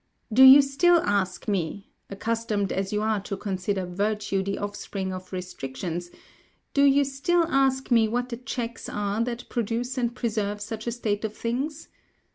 "Do you still ask me accustomed as you are to consider virtue the offspring of restrictions do you still ask me, what the checks are that produce and preserve such a state of things?